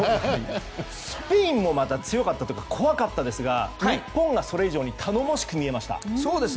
スペインもまた強かったというか怖かったですが、日本がそれ以上に頼もしく見えました。